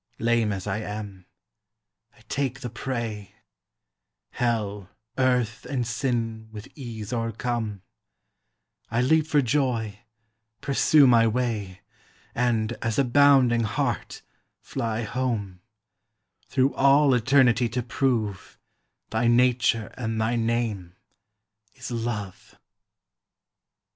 Lame as I am, I take the prey; Hell, earth, and sin with ease o'ercome; I leap for joy, pursue my way, And, as a bounding hart, fly home; Through all eternity to prove Thy nature and thy name is Love.